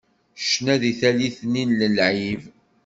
Ccna di tallit nni d lεib.